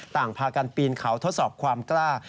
ต่างพากันปีนเขาทดสอบความกล้า